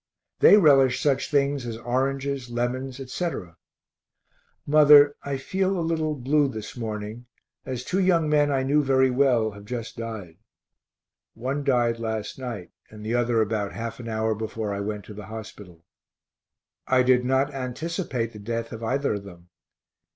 They relish such things [as] oranges, lemons, etc. Mother, I feel a little blue this morning, as two young men I knew very well have just died. One died last night, and the other about half an hour before I went to the hospital. I did not anticipate the death of either of them.